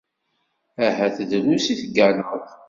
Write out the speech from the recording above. Ahat drus i tegganeḍ